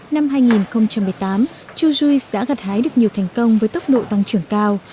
năm hai nghìn một mươi tám chujuice đã gặt hái được nhiều thành công với tốc độ tăng trưởng cao